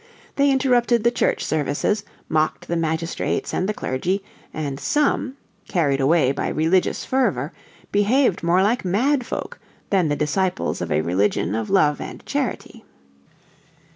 They interrupted the Church services, mocked the magistrates and the clergy, and some, carried away by religious fervour, behaved more like mad folk than the disciples of a religion of love and charity.